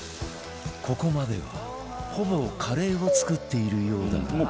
ここまではほぼカレーを作っているようだが